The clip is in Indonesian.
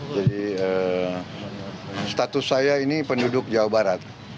jadi status saya ini penduduk jawa barat